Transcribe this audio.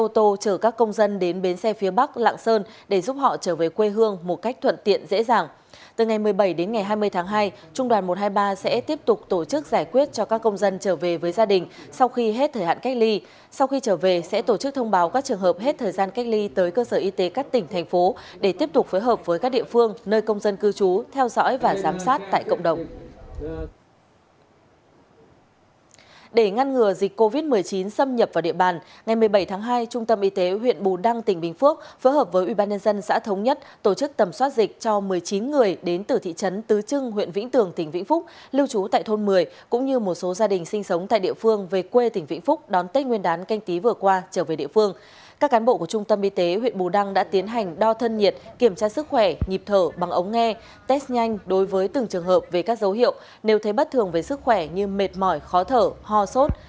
trung tâm y tế huyện bù đăng đã tiến hành đo thân nhiệt kiểm tra sức khỏe nhịp thở bằng ống nghe test nhanh đối với từng trường hợp về các dấu hiệu nếu thấy bất thường với sức khỏe như mệt mỏi khó thở ho sốt